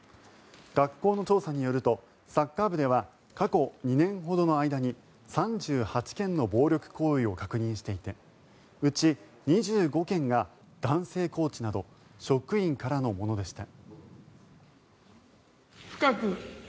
学校の調査によるとサッカー部では過去２年ほどの間に３８件の暴力行為を確認していてうち２５件が男性コーチなど職員からのものでした。